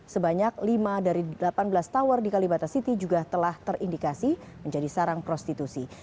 sebanyak lima dari delapan belas tower di kalibata city juga telah terindikasi menjadi sarang prostitusi